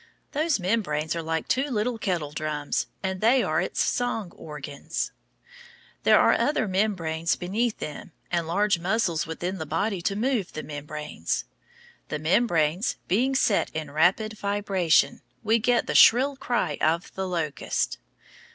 Those membranes are like two little kettle drums, and they are its song organs. There are other membranes beneath them, and large muscles within the body to move the membranes. The membranes being set in rapid vibration we get the shrill cry of the locust.